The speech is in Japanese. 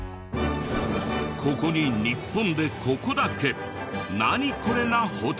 ここに日本でここだけ「ナニコレ？」なホテルが。